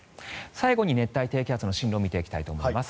最後に熱帯低気圧の進路を見ていきたいと思います。